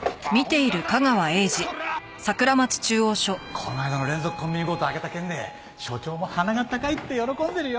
この間の連続コンビニ強盗を挙げた件で署長も鼻が高いって喜んでるよ。